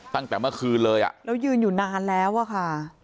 ตั้งแต่เมื่อคืนเลยอ่ะแล้วยืนอยู่นานแล้วอะค่ะ